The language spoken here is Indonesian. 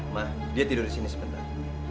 ma dia tidur disini sebentar